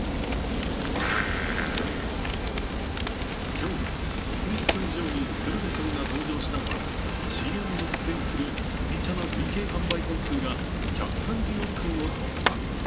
今日、国立競技場に鶴瓶さんが登場したのはＣＭに出演する麦茶の累計販売本数が１３０億本を突破。